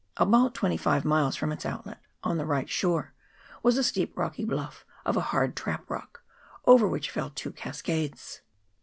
About twenty five miles from its outlet, on the right shore, was a steep rocky bluff, of a hard trap rock, over which fell two cascades.